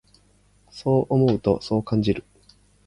そう思うと、そう感じる。